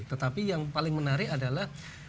tetapi yang paling menarik adalah